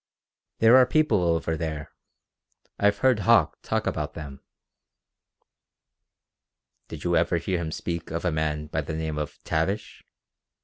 "There are people over there. I've heard Hauck talk about them." "Did you ever hear him speak of a man by the name of Tavish?"